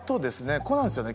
ここなんですよね。